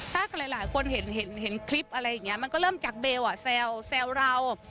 ถ้าหลายคนเห็นคลิปอะไรอย่างนี้มันก็เริ่มจากเบลแซวเรา